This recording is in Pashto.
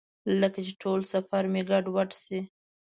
لکه چې ټول سفر مې ګډوډ شي.